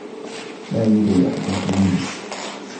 لا يوجد أحد في المنزل.